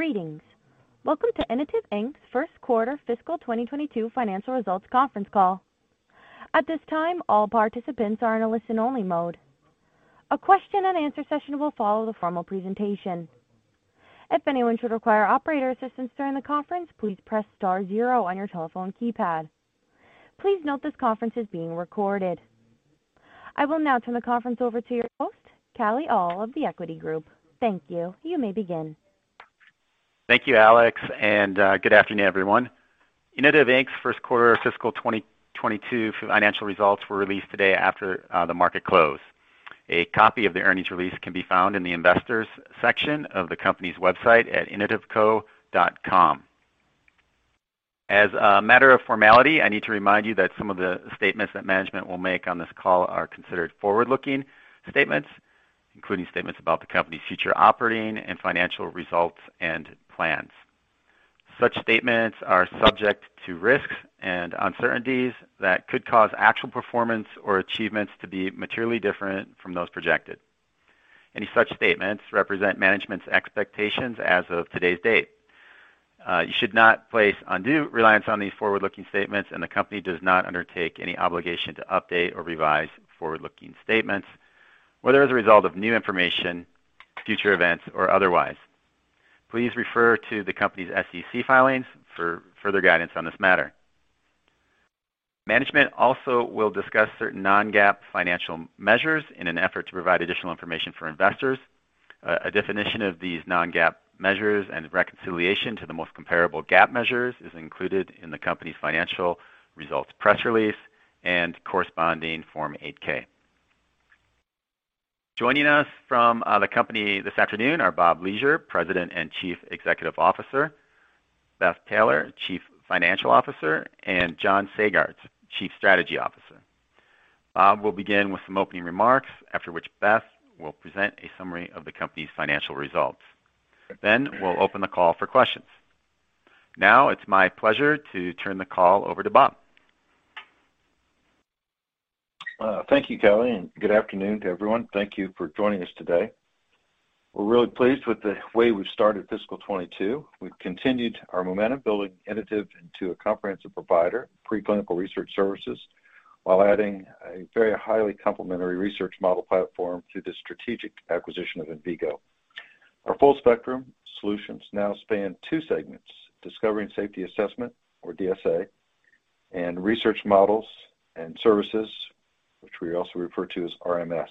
Greetings. Welcome to Inotiv, Inc.'s first quarter fiscal 2022 financial results conference call. At this time, all participants are in a listen-only mode. A question and answer session will follow the formal presentation. If anyone should require operator assistance during the conference, please press star zero on your telephone keypad. Please note this conference is being recorded. I will now turn the conference over to your host, Kalle Ahl of The Equity Group. Thank you. You may begin. Thank you, Alex, and good afternoon, everyone. Inotiv, Inc.'s first quarter fiscal 2022 financial results were released today after the market closed. A copy of the earnings release can be found in the investors section of the company's website at inotivco.com. As a matter of formality, I need to remind you that some of the statements that management will make on this call are considered forward-looking statements, including statements about the company's future operating and financial results and plans. Such statements are subject to risks and uncertainties that could cause actual performance or achievements to be materially different from those projected. Any such statements represent management's expectations as of today's date. You should not place undue reliance on these forward-looking statements, and the company does not undertake any obligation to update or revise forward-looking statements, whether as a result of new information, future events, or otherwise. Please refer to the company's SEC filings for further guidance on this matter. Management also will discuss certain non-GAAP financial measures in an effort to provide additional information for investors. A definition of these non-GAAP measures and reconciliation to the most comparable GAAP measures is included in the company's financial results press release and corresponding Form 8-K. Joining us from the company this afternoon are Bob Leasure, President and Chief Executive Officer, Beth Taylor, Chief Financial Officer, and John Sagartz, Chief Strategy Officer. Bob will begin with some opening remarks, after which Beth will present a summary of the company's financial results. We'll open the call for questions. Now it's my pleasure to turn the call over to Bob. Thank you, Kalle, and good afternoon to everyone. Thank you for joining us today. We're really pleased with the way we've started fiscal 2022. We've continued our momentum building Inotiv into a comprehensive provider, preclinical research services, while adding a very highly complementary research model platform through the strategic acquisition of Envigo. Our full spectrum solutions now span two segments, Discovery and Safety Assessment, or DSA, and Research Models and Services, which we also refer to as RMS.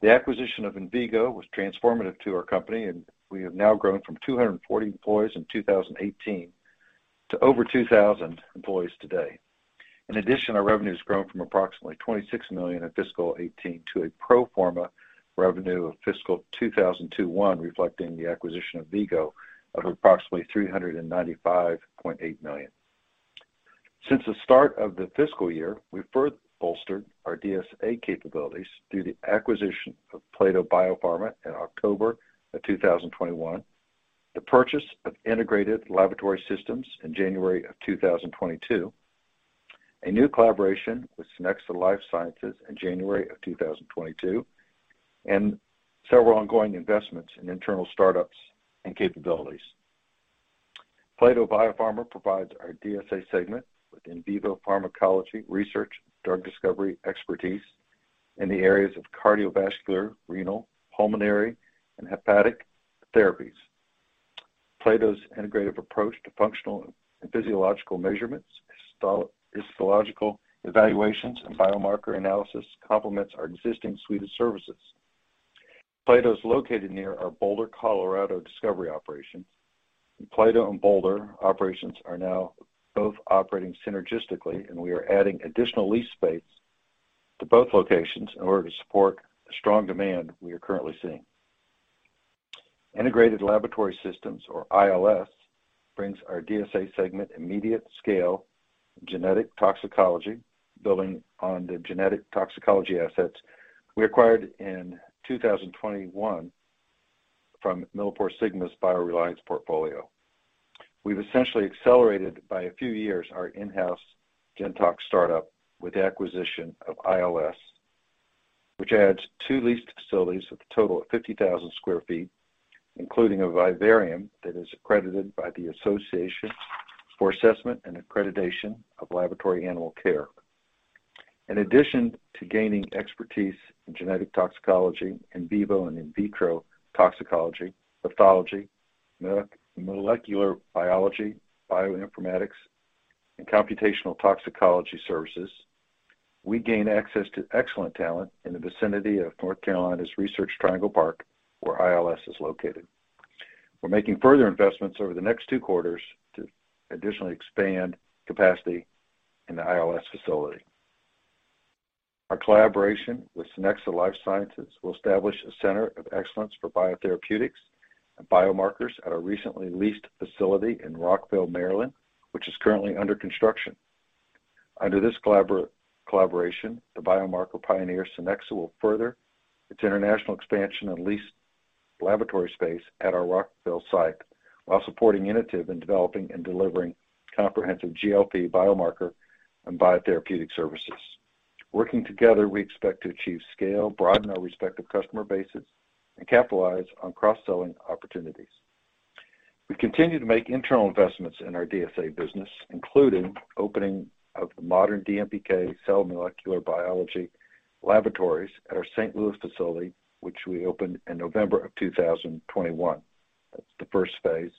The acquisition of Envigo was transformative to our company, and we have now grown from 240 employees in 2018 to over 2,000 employees today. In addition, our revenue has grown from approximately $26 million in fiscal 2018 to a pro forma revenue of fiscal 2021, reflecting the acquisition of Envigo of approximately $395.8 million. Since the start of the fiscal year, we further bolstered our DSA capabilities through the acquisition of Plato BioPharma in October 2021, the purchase of Integrated Laboratory Systems in January 2022, a new collaboration with Synexa Life Sciences in January 2022, and several ongoing investments in internal startups and capabilities. Plato BioPharma provides our DSA segment with in vivo pharmacology research, drug discovery expertise in the areas of cardiovascular, renal, pulmonary, and hepatic therapies. Plato's integrative approach to functional and physiological measurements, histological evaluations, and biomarker analysis complements our existing suite of services. Plato is located near our Boulder, Colorado, discovery operations. Plato and Boulder operations are now both operating synergistically, and we are adding additional lease space to both locations in order to support the strong demand we are currently seeing. Integrated Laboratory Systems, or ILS, brings our DSA segment immediate scale genetic toxicology, building on the genetic toxicology assets we acquired in 2021 from MilliporeSigma's BioReliance portfolio. We've essentially accelerated by a few years our in-house Genetox startup with the acquisition of ILS, which adds two leased facilities with a total of 50,000 sq ft, including a vivarium that is accredited by the Association for Assessment and Accreditation of Laboratory Animal Care. In addition to gaining expertise in genetic toxicology, in vivo and in vitro toxicology, pathology, molecular biology, bioinformatics, and computational toxicology services, we gain access to excellent talent in the vicinity of North Carolina's Research Triangle Park, where ILS is located. We're making further investments over the next two quarters to additionally expand capacity in the ILS facility. Our collaboration with Synexa Life Sciences will establish a center of excellence for biotherapeutics and biomarkers at our recently leased facility in Rockville, Maryland, which is currently under construction. Under this collaboration, the biomarker pioneer Synexa will further its international expansion and lease laboratory space at our Rockville site while supporting Inotiv in developing and delivering comprehensive GLP biomarker and biotherapeutic services. Working together, we expect to achieve scale, broaden our respective customer bases, and capitalize on cross-selling opportunities. We continue to make internal investments in our DSA business, including opening of the modern DMPK cell molecular biology laboratories at our St. Louis facility, which we opened in November 2021. That's the first phase.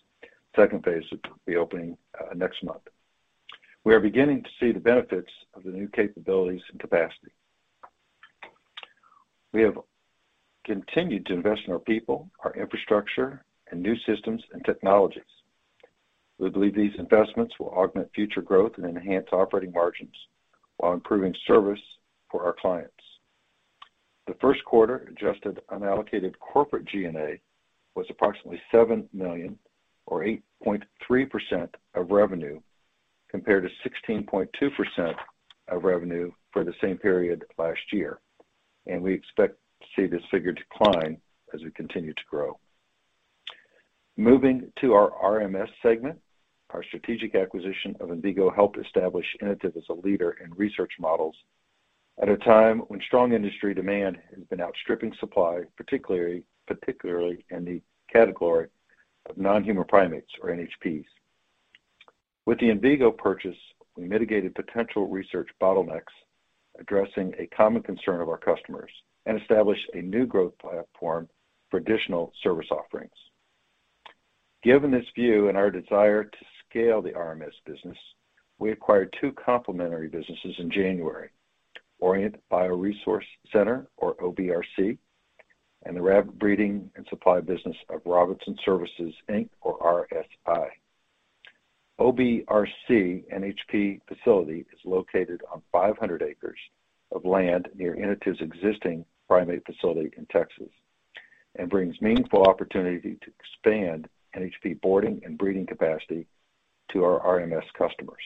Second phase will be opening next month. We are beginning to see the benefits of the new capabilities and capacity. We have continued to invest in our people, our infrastructure, and new systems and technologies. We believe these investments will augment future growth and enhance operating margins while improving service for our clients. The first quarter adjusted unallocated corporate G&A was approximately $7 million or 8.3% of revenue, compared to 16.2% of revenue for the same period last year. We expect to see this figure decline as we continue to grow. Moving to our RMS segment, our strategic acquisition of Envigo helped establish Inotiv as a leader in research models at a time when strong industry demand has been outstripping supply, particularly in the category of non-human primates or NHPs. With the Envigo purchase, we mitigated potential research bottlenecks addressing a common concern of our customers and established a new growth platform for additional service offerings. Given this view and our desire to scale the RMS business, we acquired two complementary businesses in January, Orient BioResource Center or OBRC, and the rabbit breeding and supply business of Robinson Services Inc, or RSI. OBRC NHP facility is located on 500 ac of land near Inotiv's existing primate facility in Texas and brings meaningful opportunity to expand NHP boarding and breeding capacity to our RMS customers.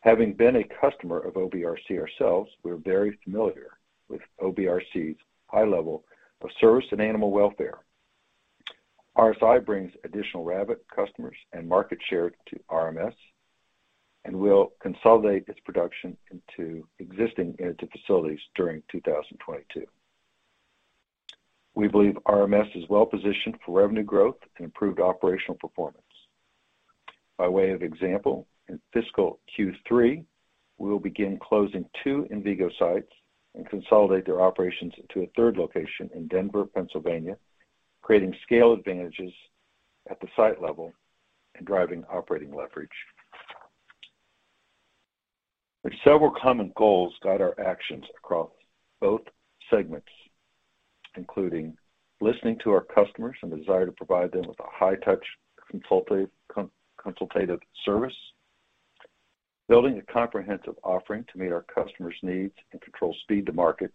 Having been a customer of OBRC ourselves, we're very familiar with OBRC's high level of service and animal welfare. RSI brings additional rabbit customers and market share to RMS and will consolidate its production into existing Inotiv facilities during 2022. We believe RMS is well positioned for revenue growth and improved operational performance. By way of example, in fiscal Q3, we will begin closing two Envigo sites and consolidate their operations into a third location in Denver, Pennsylvania, creating scale advantages at the site level and driving operating leverage. Several common goals guide our actions across both segments, including listening to our customers' desire to provide them with a high touch consultative service, building a comprehensive offering to meet our customers' needs and control speed to market,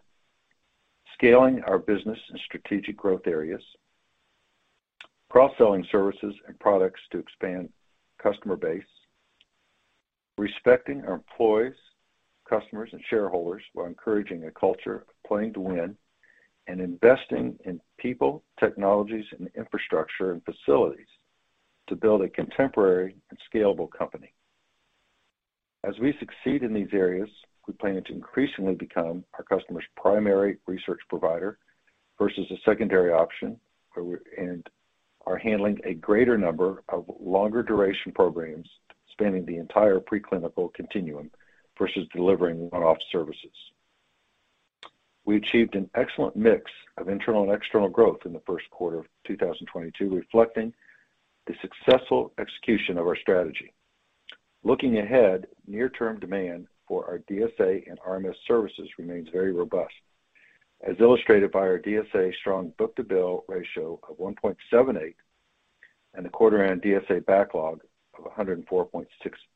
scaling our business in strategic growth areas, cross-selling services and products to expand customer base, respecting our employees, customers and shareholders while encouraging a culture of playing to win and investing in people, technologies and infrastructure and facilities to build a contemporary and scalable company. As we succeed in these areas, we plan to increasingly become our customers' primary research provider versus a secondary option and are handling a greater number of longer duration programs spanning the entire preclinical continuum versus delivering one-off services. We achieved an excellent mix of internal and external growth in the first quarter of 2022, reflecting the successful execution of our strategy. Looking ahead, near-term demand for our DSA and RMS services remains very robust, as illustrated by our DSA strong book-to-bill ratio of 1.78 and the quarter end DSA backlog of $104.6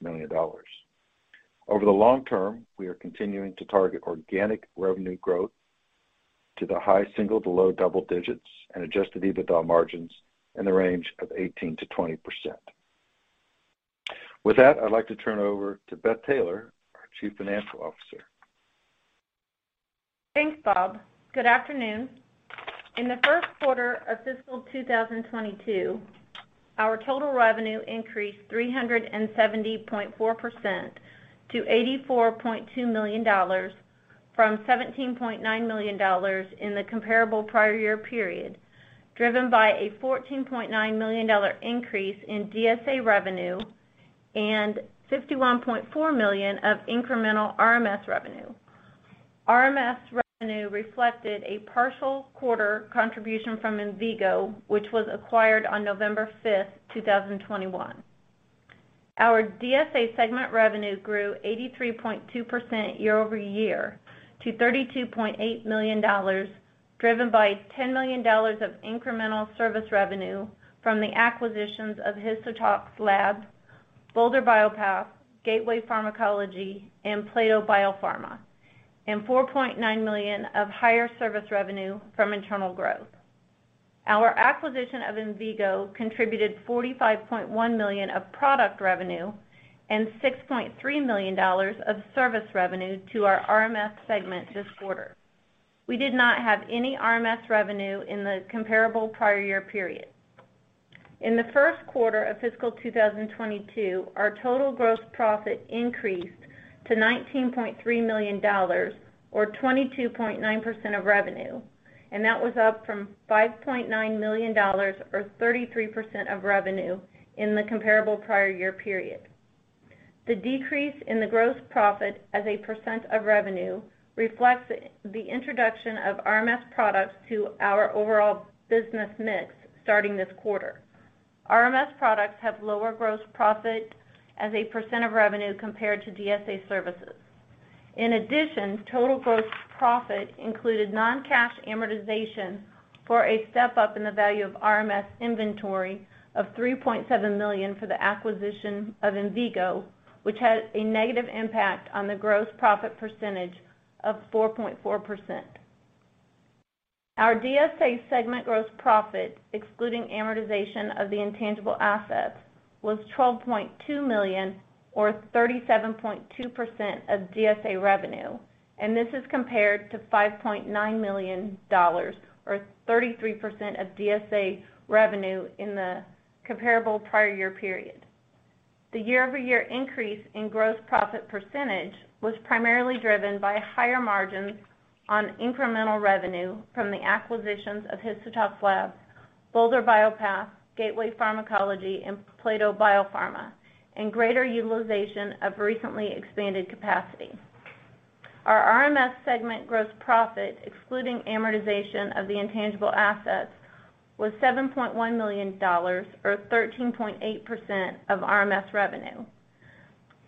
million. Over the long term, we are continuing to target organic revenue growth to the high single to low double digits and adjusted EBITDA margins in the range of 18%-20%. With that, I'd like to turn it over to Beth Taylor, our Chief Financial Officer. Thanks, Bob. Good afternoon. In the first quarter of fiscal 2022, our total revenue increased 370.4% to $84.2 million from $17.9 million in the comparable prior year period, driven by a $14.9 million increase in DSA revenue and $51.4 million of incremental RMS revenue. RMS revenue reflected a partial quarter contribution from Envigo, which was acquired on November 5th, 2021. Our DSA segment revenue grew 83.2% year-over-year to $32.8 million, driven by $10 million of incremental service revenue from the acquisitions of HistoTox Labs, Bolder BioPATH, Gateway Pharmacology, and Plato BioPharma, and $4.9 million of higher service revenue from internal growth. Our acquisition of Envigo contributed $45.1 million of product revenue and $6.3 million of service revenue to our RMS segment this quarter. We did not have any RMS revenue in the comparable prior year period. In the first quarter of fiscal 2022, our total gross profit increased to $19.3 million or 22.9% of revenue, and that was up from $5.9 million or 33% of revenue in the comparable prior year period. The decrease in the gross profit as a percent of revenue reflects the introduction of RMS products to our overall business mix starting this quarter. RMS products have lower gross profit as a percent of revenue compared to DSA services. In addition, total gross profit included non-cash amortization for a step-up in the value of RMS inventory of $3.7 million for the acquisition of Envigo, which had a negative impact on the gross profit percentage of 4.4%. Our DSA segment gross profit, excluding amortization of the intangible assets, was $12.2 million or 37.2% of DSA revenue, and this is compared to $5.9 million or 33% of DSA revenue in the comparable prior year period. The year-over-year increase in gross profit percentage was primarily driven by higher margins on incremental revenue from the acquisitions of HistoTox Labs, Bolder BioPATH, Gateway Pharmacology, and Plato BioPharma, and greater utilization of recently expanded capacity. Our RMS segment gross profit, excluding amortization of the intangible assets, was $7.1 million or 13.8% of RMS revenue.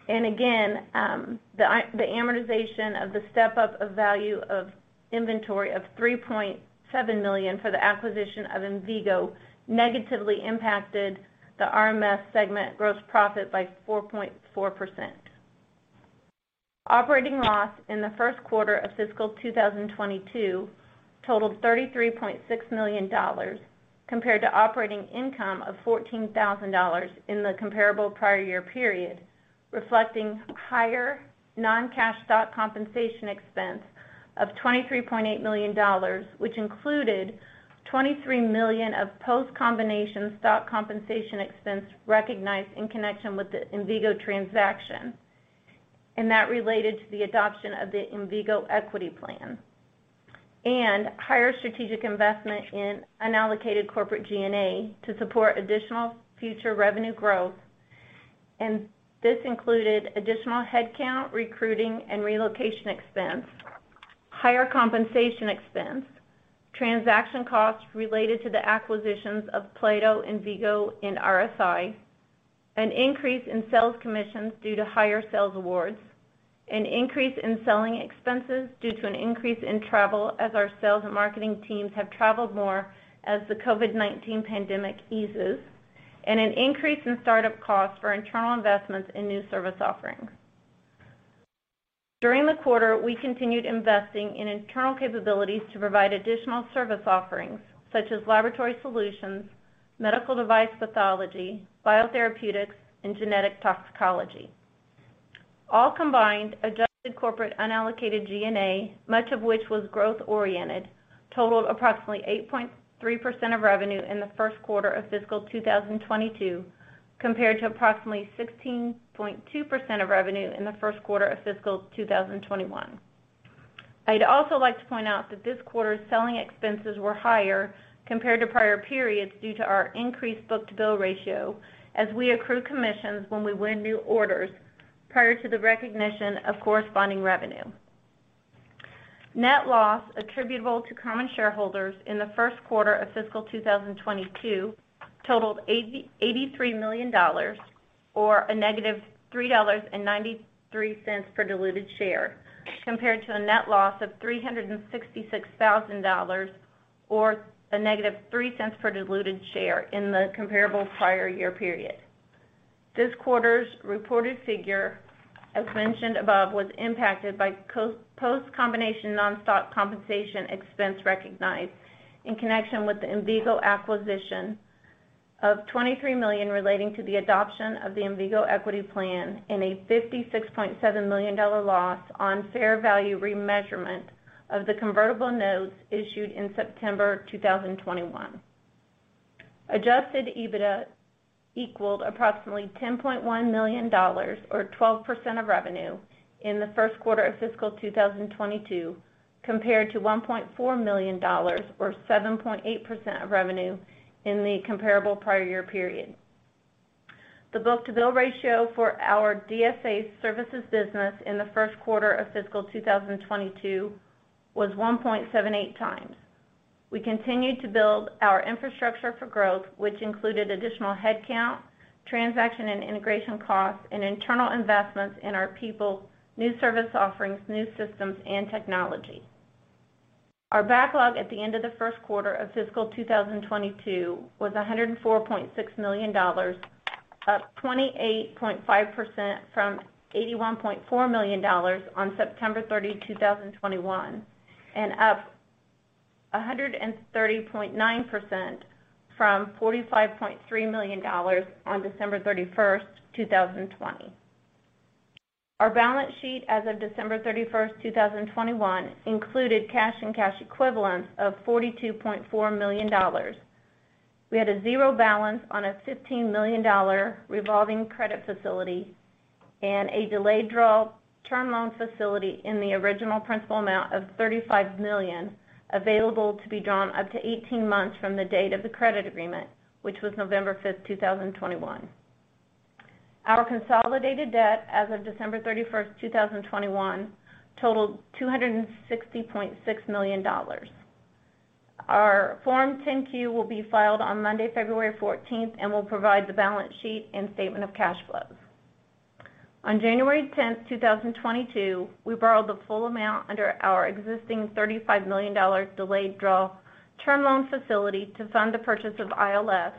The amortization of the step-up of value of inventory of $3.7 million for the acquisition of Envigo negatively impacted the RMS segment gross profit by 4.4%. Operating loss in the first quarter of fiscal 2022 totaled $33.6 million compared to operating income of $14,000 in the comparable prior year period, reflecting higher noncash stock compensation expense of $23.8 million, which included $23 million of post-combination stock compensation expense recognized in connection with the Envigo transaction, and that related to the adoption of the Envigo equity plan. Higher strategic investment in unallocated corporate G&A to support additional future revenue growth. This included additional headcount, recruiting, and relocation expense, higher compensation expense, transaction costs related to the acquisitions of Plato, Envigo, and RSI, an increase in sales commissions due to higher sales awards, an increase in selling expenses due to an increase in travel as our sales and marketing teams have traveled more as the COVID-19 pandemic eases, and an increase in startup costs for internal investments in new service offerings. During the quarter, we continued investing in internal capabilities to provide additional service offerings such as laboratory solutions, medical device pathology, biotherapeutics, and genetic toxicology. All combined, adjusted corporate unallocated G&A, much of which was growth-oriented, totaled approximately 8.3% of revenue in the first quarter of fiscal 2022, compared to approximately 16.2% of revenue in the first quarter of fiscal 2021. I'd also like to point out that this quarter's selling expenses were higher compared to prior periods due to our increased book-to-bill ratio as we accrue commissions when we win new orders prior to the recognition of corresponding revenue. Net loss attributable to common shareholders in the first quarter of fiscal 2022 totaled $83 million or a negative $3.93 per diluted share, compared to a net loss of $366,000 or a negative $0.03 per diluted share in the comparable prior year period. This quarter's reported figure, as mentioned above, was impacted by post-combination nonstock compensation expense recognized in connection with the Envigo acquisition of $23 million relating to the adoption of the Envigo equity plan and a $56.7 million loss on fair value remeasurement of the convertible notes issued in September 2021. Adjusted EBITDA equaled approximately $10.1 million or 12% of revenue in the first quarter of fiscal 2022, compared to $1.4 million or 7.8% of revenue in the comparable prior year period. The book-to-bill ratio for our DSA services business in the first quarter of fiscal 2022 was 1.78 times. We continued to build our infrastructure for growth, which included additional headcount, transaction and integration costs, and internal investments in our people, new service offerings, new systems, and technology. Our backlog at the end of the first quarter of fiscal 2022 was $104.6 million, up 28.5% from $81.4 million on September 30, 2021, and up 130.9% from $45.3 million on December 31st, 2020. Our balance sheet as of December 31st, 2021 included cash and cash equivalents of $42.4 million. We had a zero balance on a $15 million revolving credit facility and a delayed draw term loan facility in the original principal amount of $35 million available to be drawn up to 18 months from the date of the credit agreement, which was November 5th, 2021. Our consolidated debt as of December 31st, 2021 totaled $260.6 million. Our Form 10-Q will be filed on Monday, February 14th and will provide the balance sheet and statement of cash flows. On January 10th, 2022, we borrowed the full amount under our existing $35 million delayed draw term loan facility to fund the purchase of ILS,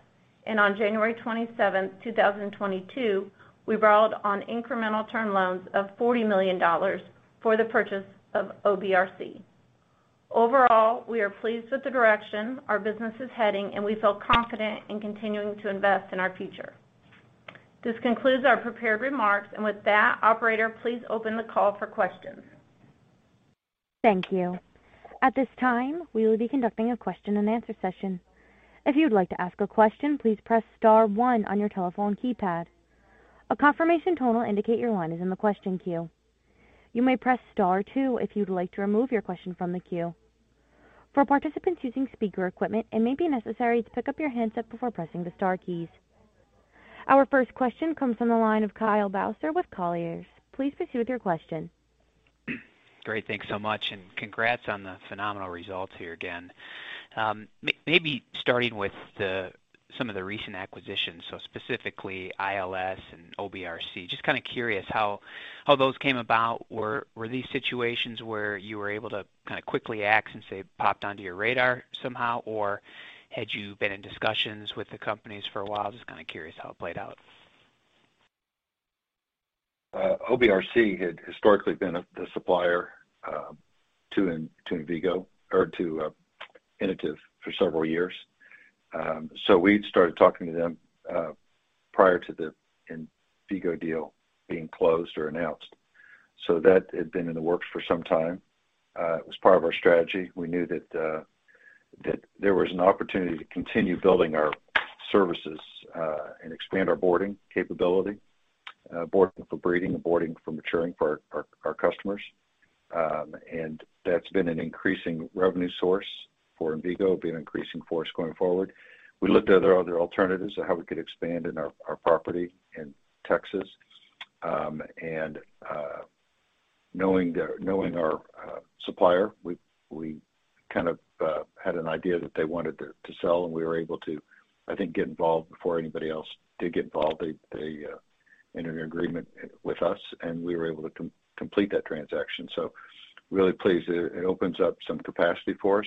and on January 27th, 2022, we borrowed on incremental term loans of $40 million for the purchase of OBRC. Overall, we are pleased with the direction our business is heading, and we feel confident in continuing to invest in our future. This concludes our prepared remarks. With that, operator, please open the call for questions. Thank you. At this time, we will be conducting a question and answer session. If you'd like to ask a question, please press star one on your telephone keypad. A confirmation tone will indicate your line is in the question queue. You may press star two if you'd like to remove your question from the queue. For participants using speaker equipment, it may be necessary to pick up your handset before pressing the star keys. Our first question comes from the line of Kyle Bauser with Colliers. Please proceed with your question. Great. Thanks so much, and congrats on the phenomenal results here again. Maybe starting with some of the recent acquisitions, so specifically ILS and OBRC. Just kind of curious how those came about. Were these situations where you were able to kind of quickly act since they popped onto your radar somehow? Or had you been in discussions with the companies for a while? Just kind of curious how it played out. OBRC had historically been the supplier to Envigo or to Inotiv for several years. We'd started talking to them prior to the Envigo deal being closed or announced. That had been in the works for some time. It was part of our strategy. We knew that there was an opportunity to continue building our services and expand our boarding capability, boarding for breeding, and boarding for maturing for our customers. That's been an increasing revenue source for Envigo, been an increasing source going forward. We looked at other alternatives of how we could expand in our property in Texas. Knowing our supplier, we kind of had an idea that they wanted to sell and we were able to, I think, get involved before anybody else did get involved. They entered an agreement with us, and we were able to complete that transaction. Really pleased. It opens up some capacity for us.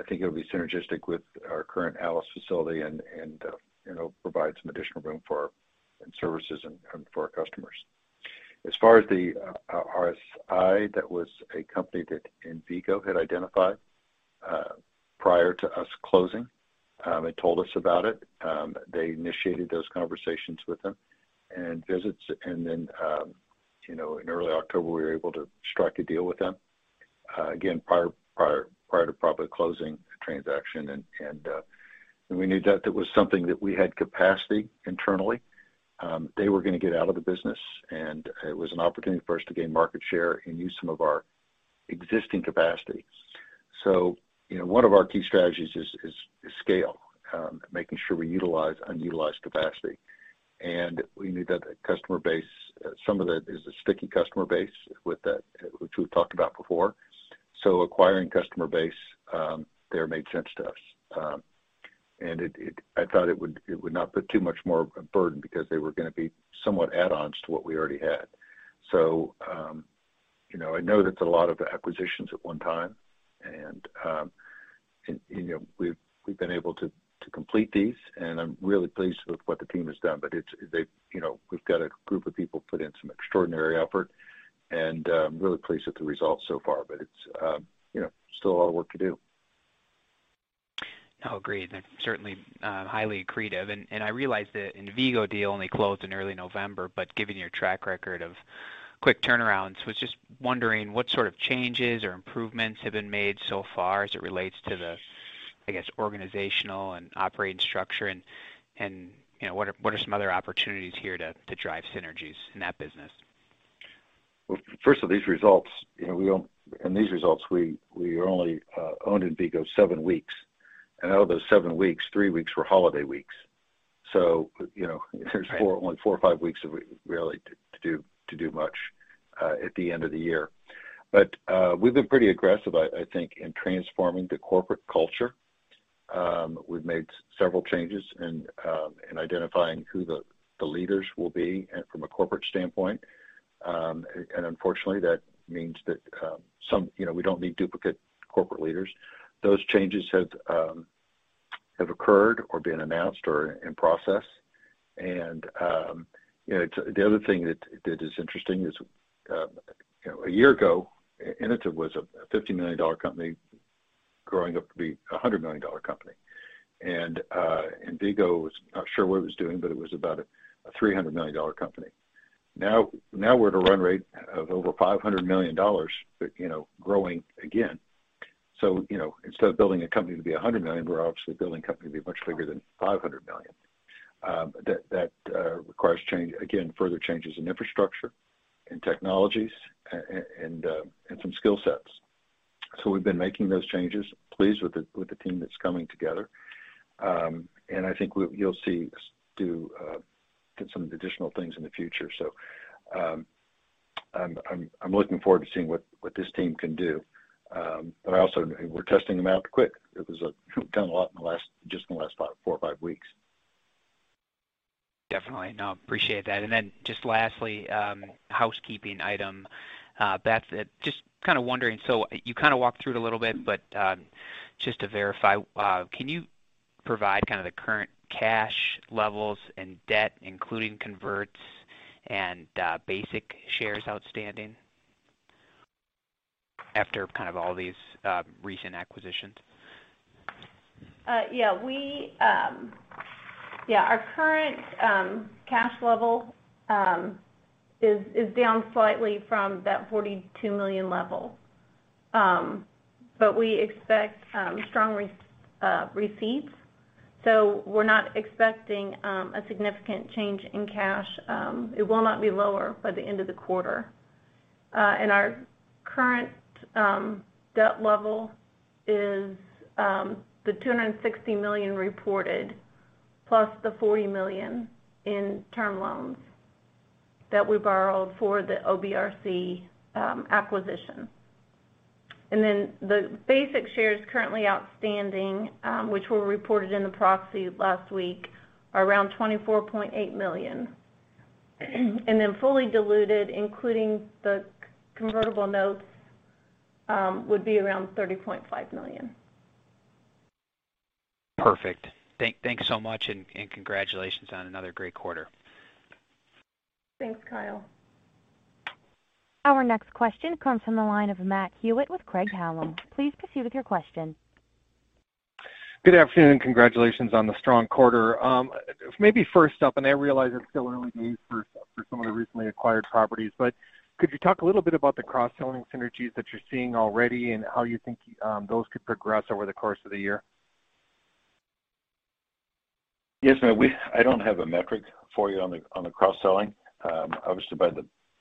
I think it'll be synergistic with our current Alice facility and you know, provide some additional room for our services and for our customers. As far as the RSI, that was a company that Inotiv had identified prior to us closing. They told us about it. They initiated those conversations with them and visits. You know, in early October, we were able to strike a deal with them, again, prior to probably closing the transaction. We knew that it was something that we had capacity internally. They were gonna get out of the business, and it was an opportunity for us to gain market share and use some of our existing capacity. You know, one of our key strategies is scale, making sure we utilize unutilized capacity. We knew that customer base, some of that is a sticky customer base with that, which we've talked about before. Acquiring customer base there made sense to us. I thought it would not put too much more of a burden because they were gonna be somewhat add-ons to what we already had. You know, I know that's a lot of acquisitions at one time and, you know, we've been able to complete these, and I'm really pleased with what the team has done. You know, we've got a group of people put in some extraordinary effort, and really pleased with the results so far. It's, you know, still a lot of work to do. No, agreed, and certainly highly accretive. I realize the Envigo deal only closed in early November, but given your track record of quick turnarounds, was just wondering what sort of changes or improvements have been made so far as it relates to the, I guess, organizational and operating structure? You know, what are some other opportunities here to drive synergies in that business? In these results, we only owned Envigo seven weeks. Out of those seven weeks, three weeks were holiday weeks. You know, there's only four or five weeks to do much at the end of the year. We've been pretty aggressive, I think, in transforming the corporate culture. We've made several changes in identifying who the leaders will be from a corporate standpoint. Unfortunately, that means that some, you know, we don't need duplicate corporate leaders. Those changes have occurred or been announced or are in process. It's the other thing that is interesting, you know, a year ago, Inotiv was a $50 million company growing up to be a $100 million company. Envigo was not sure what it was doing, but it was about a $300 million company. Now we're at a run rate of over $500 million, but growing again. Instead of building a company to be $100 million, we're obviously building a company to be much bigger than $500 million. That requires change again, further changes in infrastructure and technologies and some skill sets. We've been making those changes, pleased with the team that's coming together. I think you'll see us do some additional things in the future. I'm looking forward to seeing what this team can do. But I also. We're testing them out quick. We've done a lot just in the last four or five weeks. Definitely. No, appreciate that. Just lastly, housekeeping item, Beth, just kind of wondering, so you kind of walked through it a little bit, but, just to verify, can you provide kind of the current cash levels and debt, including converts and, basic shares outstanding after kind of all these, recent acquisitions? Yeah. Our current cash level is down slightly from that $42 million level. We expect strong receipts, so we're not expecting a significant change in cash. It will not be lower by the end of the quarter. Our current debt level is the $260 million reported plus the $40 million in term loans that we borrowed for the OBRC acquisition. The basic shares currently outstanding, which were reported in the proxy last week, are around 24.8 million. Fully diluted, including the convertible notes, would be around 30.5 million. Perfect. Thanks so much and congratulations on another great quarter. Thanks, Kyle. Our next question comes from the line of Matt Hewitt with Craig-Hallum. Please proceed with your question. Good afternoon. Congratulations on the strong quarter. Maybe first up, and I realize it's still early days for some of the recently acquired properties, but could you talk a little bit about the cross-selling synergies that you're seeing already and how you think those could progress over the course of the year? Yes. I don't have a metric for you on the cross-selling. Obviously by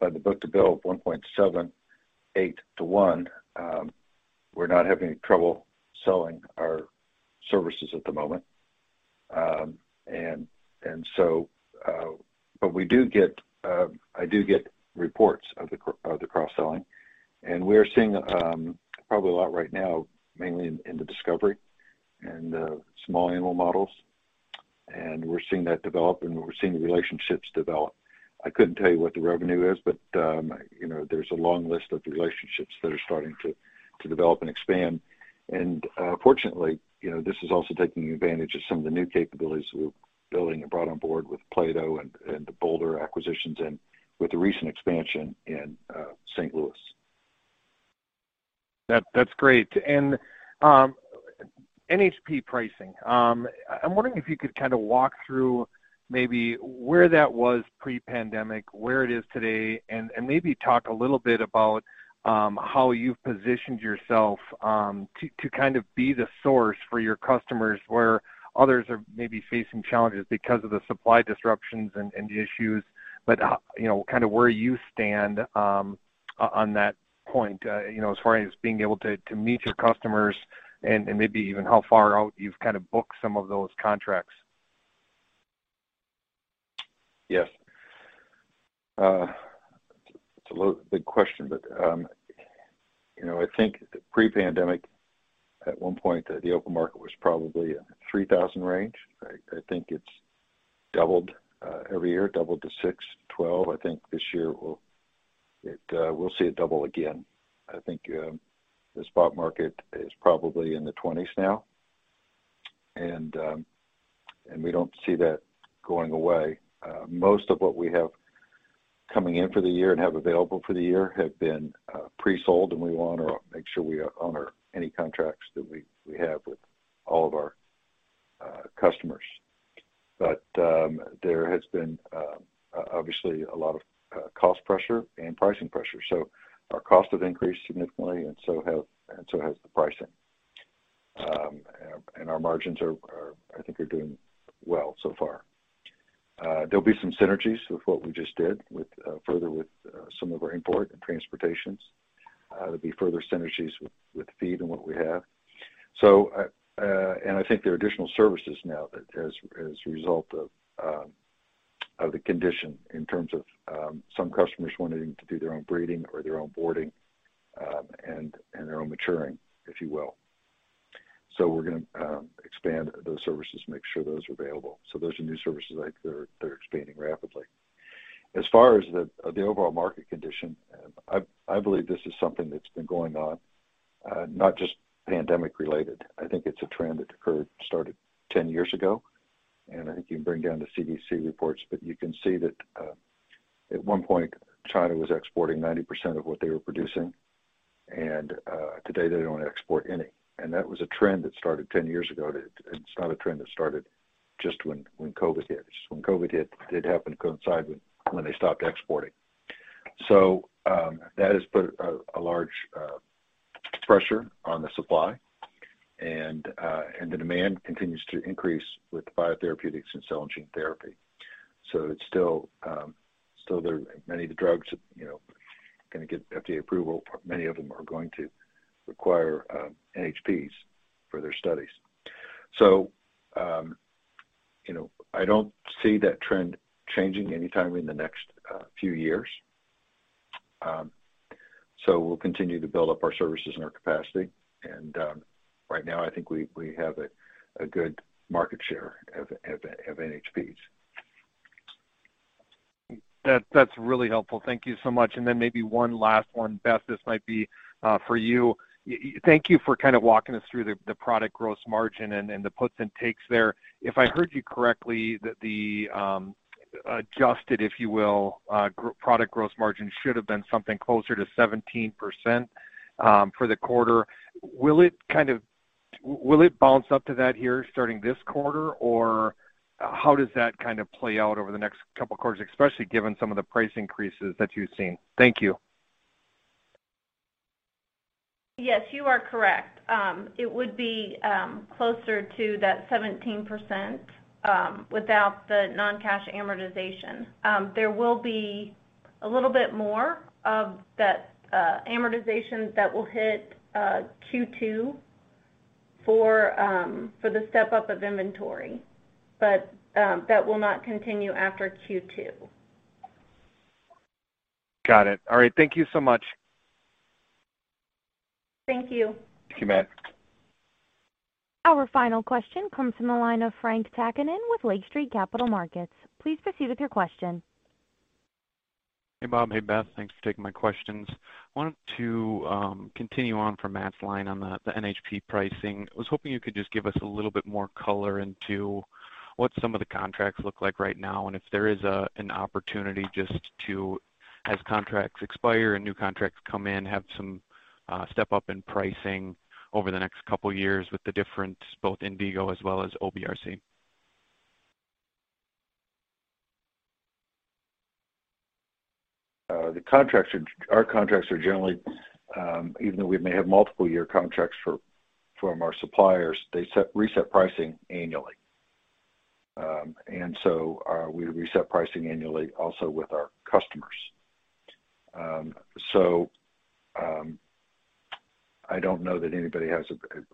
the book-to-bill of 1.78 to 1, we're not having any trouble selling our services at the moment. I do get reports of the cross-selling, and we're seeing probably a lot right now, mainly in the discovery and small animal models, and we're seeing that develop and we're seeing the relationships develop. I couldn't tell you what the revenue is, but you know, there's a long list of the relationships that are starting to develop and expand. Fortunately, you know, this is also taking advantage of some of the new capabilities we're building and brought on board with Plato and the Boulder acquisitions and with the recent expansion in St. Louis. That's great. NHP pricing. I'm wondering if you could kind of walk through maybe where that was pre-pandemic, where it is today, and maybe talk a little bit about how you've positioned yourself to kind of be the source for your customers where others are maybe facing challenges because of the supply disruptions and the issues. How, you know, kind of where you stand on that point, you know, as far as being able to meet your customers and maybe even how far out you've kind of booked some of those contracts. Yes. It's a big question, but you know, I think pre-pandemic, at one point, the open market was probably 3,000 range. I think it's doubled every year, doubled to 6-12. I think this year we'll see it double again. I think the spot market is probably in the 20s now. We don't see that going away. Most of what we have coming in for the year and have available for the year have been pre-sold, and we wanna make sure we honor any contracts that we have with all of our customers. There has been obviously a lot of cost pressure and pricing pressure. Our cost have increased significantly, and so has the pricing. Our margins are doing well so far, I think. There'll be some synergies with what we just did with further with some of our import and transportation. There'll be further synergies with feed and what we have. I think there are additional services now that as a result of the condition in terms of some customers wanting to do their own breeding or their own boarding, and their own maturing, if you will. We're going to expand those services, make sure those are available. Those are new services I think that are expanding rapidly. As far as the overall market condition, I believe this is something that's been going on, not just pandemic related. I think it's a trend that occurred, started 10 years ago, and I think you can bring down the CDC reports, but you can see that at one point, China was exporting 90% of what they were producing, and today they don't export any. That was a trend that started 10 years ago. It's not a trend that started just when COVID hit. When COVID hit, it happened to coincide with when they stopped exporting. That has put a large pressure on the supply, and the demand continues to increase with biotherapeutics and cell and gene therapy. It's still there many of the drugs, you know, gonna get FDA approval, many of them are going to require NHPs for their studies. You know, I don't see that trend changing anytime in the next few years. We'll continue to build up our services and our capacity. Right now I think we have a good market share of NHPs. That's really helpful. Thank you so much. Then maybe one last one. Beth, this might be for you. Thank you for kind of walking us through the product gross margin and the puts and takes there. If I heard you correctly, that the adjusted, if you will, product gross margin should have been something closer to 17% for the quarter. Will it kind of bounce up to that here starting this quarter, or how does that kind of play out over the next couple quarters, especially given some of the price increases that you've seen? Thank you. Yes, you are correct. It would be closer to that 17% without the non-cash amortization. There will be a little bit more of that amortization that will hit Q2 for the step-up of inventory, but that will not continue after Q2. Got it. All right. Thank you so much. Thank you. Thank you, Matt. Our final question comes from the line of Frank Takkinen with Lake Street Capital Markets. Please proceed with your question. Hey, Bob. Hey, Beth. Thanks for taking my questions. I wanted to continue on from Matt's line on the NHP pricing. I was hoping you could just give us a little bit more color into what some of the contracts look like right now, and if there is an opportunity just to, as contracts expire and new contracts come in, have some step-up in pricing over the next couple years with the different both Envigo as well as OBRC. Our contracts are generally, even though we may have multiple year contracts for, from our suppliers, they set reset pricing annually. We reset pricing annually also with our customers. I don't know that anybody has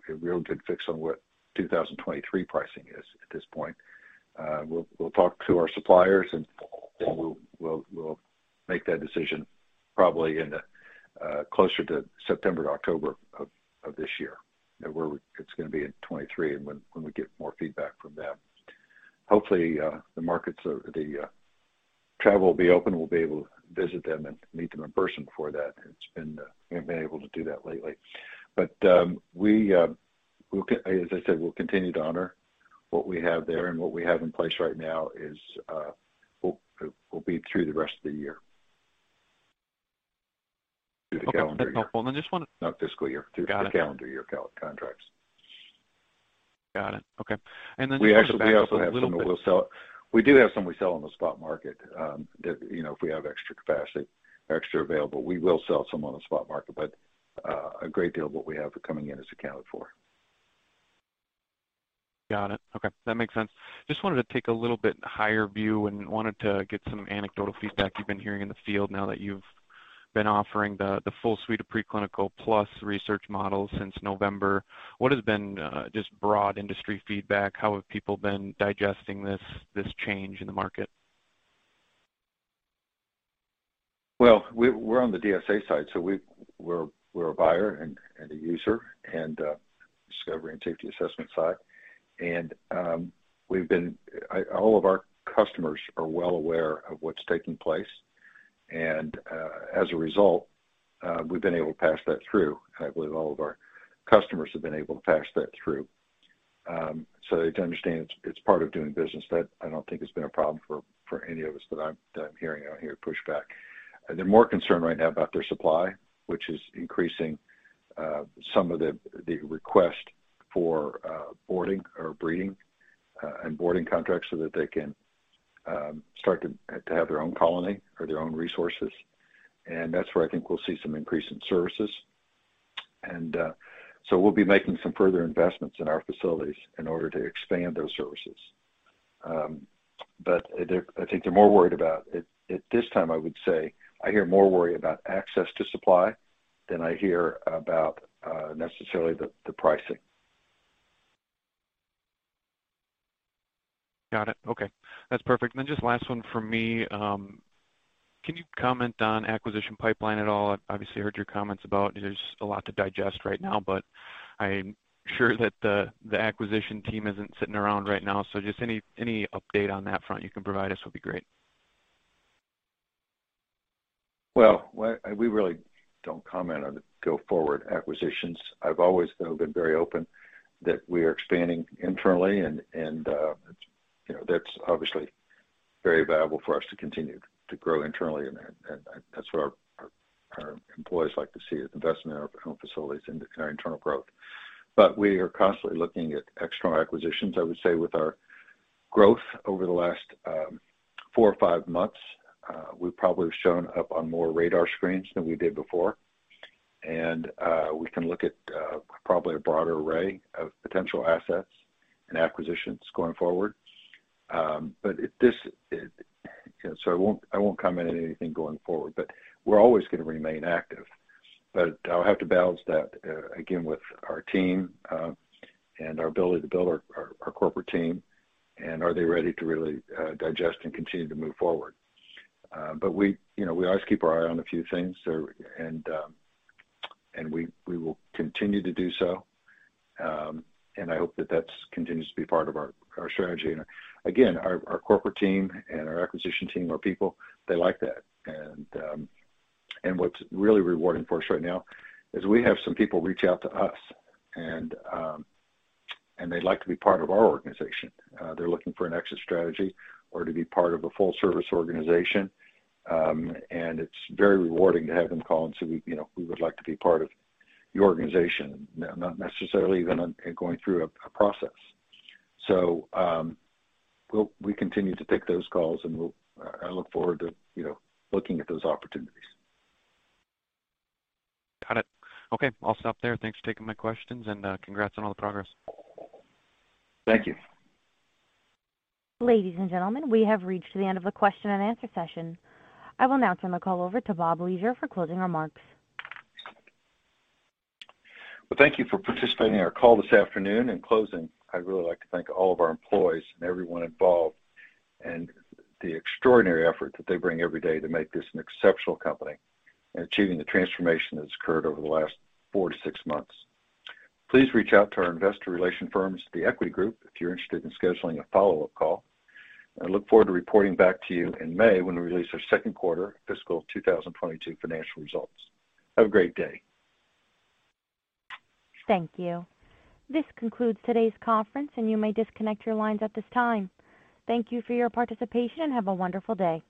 a real good fix on what 2023 pricing is at this point. We'll talk to our suppliers, and then we'll make that decision probably in the closer to September or October of this year, where it's gonna be in 2023 and when we get more feedback from them. Hopefully, the travel will be open, we'll be able to visit them and meet them in person for that. It's been, we haven't been able to do that lately. As I said, we'll continue to honor what we have there, and what we have in place right now is will be through the rest of the year. Through the calendar year. Okay. That's helpful. Just wanted. Not fiscal year. Got it. Through the calendar year contracts. Got it. Okay. Just to back up a little bit. We actually also have some that we'll sell. We do have some we sell on the spot market, you know, if we have extra capacity, extra available, we will sell some on the spot market, but a great deal of what we have coming in is accounted for. Got it. Okay. That makes sense. Just wanted to take a little bit higher view and wanted to get some anecdotal feedback you've been hearing in the field now that you've been offering the full suite of preclinical plus research models since November. What has been just broad industry feedback? How have people been digesting this change in the market? Well, we're on the DSA side. We're a buyer and a user, and Discovery and Safety Assessment side. All of our customers are well aware of what's taking place. As a result, we've been able to pass that through. I believe all of our customers have been able to pass that through. They understand it's part of doing business. That I don't think has been a problem for any of us that I'm hearing. I don't hear pushback. They're more concerned right now about their supply, which is increasing some of the request for boarding or breeding and boarding contracts so that they can start to have their own colony or their own resources. That's where I think we'll see some increase in services. We'll be making some further investments in our facilities in order to expand those services. I think they're more worried about it. At this time, I would say I hear more worry about access to supply than I hear about necessarily the pricing. Got it. Okay. That's perfect. Just last one from me. Can you comment on acquisition pipeline at all? Obviously, I heard your comments about there's a lot to digest right now, but I'm sure that the acquisition team isn't sitting around right now. Just any update on that front you can provide us would be great. Well, we really don't comment on go forward acquisitions. I've always, though, been very open that we are expanding internally and, you know, that's obviously very valuable for us to continue to grow internally. That's what our employees like to see, investment in our own facilities into our internal growth. We are constantly looking at external acquisitions. I would say with our growth over the last four or five months, we probably have shown up on more radar screens than we did before. We can look at probably a broader array of potential assets and acquisitions going forward. I won't comment on anything going forward, but we're always gonna remain active. I'll have to balance that, again, with our team and our ability to build our corporate team. Are they ready to really digest and continue to move forward? You know, we always keep our eye on a few things and we will continue to do so. I hope that that continues to be part of our strategy. Again, our corporate team and our acquisition team, our people, they like that. What's really rewarding for us right now is we have some people reach out to us and they'd like to be part of our organization. They're looking for an exit strategy or to be part of a full service organization. It's very rewarding to have them call and say, you know, "We would like to be part of your organization," not necessarily even going through a process. We continue to take those calls and I look forward to, you know, looking at those opportunities. Got it. Okay, I'll stop there. Thanks for taking my questions and congrats on all the progress. Thank you. Ladies and gentlemen, we have reached the end of the question and answer session. I will now turn the call over to Bob Leasure for closing remarks. Well, thank you for participating in our call this afternoon. In closing, I'd really like to thank all of our employees and everyone involved and the extraordinary effort that they bring every day to make this an exceptional company in achieving the transformation that's occurred over the last four to six months. Please reach out to our investor relations firms, The Equity Group, if you're interested in scheduling a follow-up call. I look forward to reporting back to you in May when we release our second quarter fiscal 2022 financial results. Have a great day. Thank you. This concludes today's conference, and you may disconnect your lines at this time. Thank you for your participation and have a wonderful day.